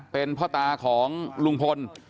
เป็นพ่อตาของลุงพล